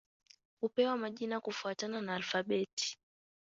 Hupewa majina kufuatana na alfabeti.